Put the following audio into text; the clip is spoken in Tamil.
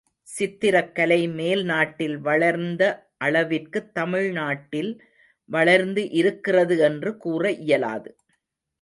சித்திரக் கலை மேல்நாட்டில் வளர்ந்த அளவிற்குத் தமிழ்நாட்டில், வளர்ந்து இருக்கிறது என்று கூற இயலாது.